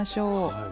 はい。